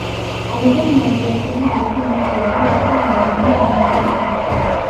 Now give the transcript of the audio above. Alidhani mawazo yake hayo si mapya bali kwamba ndiyo mafundisho ya mtume